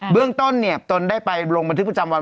เบื้องต้นมันได้ไปลงบันทึกประจำวัน